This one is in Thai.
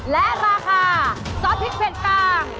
และราคาซอสพริกเผ็ดกลาง